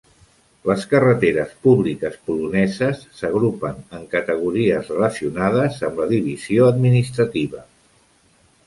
Les carreteres públiques poloneses s'agrupen en categories relacionades amb la divisió administrativa.